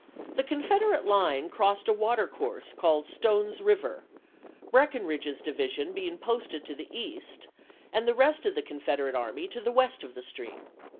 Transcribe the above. The Confed erate line crossed a water course called Stone's PERKYVILLE AND MURFEEESBOEO 283 River, Breckinridge's division being posted to the east, and the rest of the Confederate army to the west of the stream.